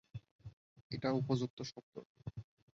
এটা উপযুক্ত শব্দ।